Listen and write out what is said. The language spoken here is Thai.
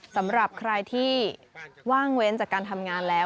สำหรับใครที่ว่างเว้นจากการทำงานแล้ว